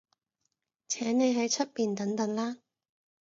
請你喺出面等等啦